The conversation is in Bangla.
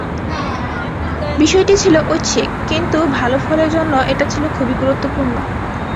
বিষয়টি ছিল ঐচ্ছিক, কিন্তু ভালো ফলের জন্য এটা ছিল খুবই গুরুত্বপূর্ণ।